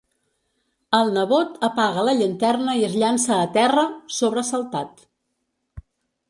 El nebot apaga la llanterna i es llança a terra, sobresaltat.